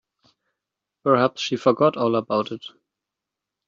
Perhaps she forgot all about it.